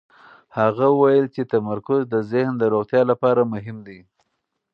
هغه وویل چې تمرکز د ذهن د روغتیا لپاره مهم دی.